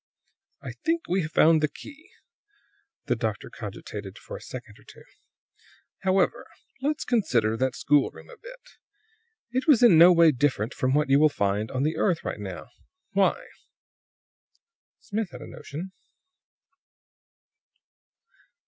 "I think we have found the key." The doctor cogitated for a second or two. "However, let's consider that schoolroom a bit. It was in no way different from what you will find on the earth right now. Why?" Smith had a notion.